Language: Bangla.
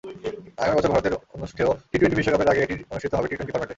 আগামী বছর ভারতের অনুষ্ঠেয় টি-টোয়েন্টি বিশ্বকাপের আগে এটি অনুষ্ঠিত হবে টি-টোয়েন্টি ফরম্যাটে।